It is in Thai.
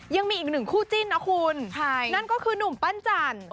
ยังมีอีกหนึ่งคู่จิ้นนะคุณนั่นก็คือหนุ่มปั้นจันทร์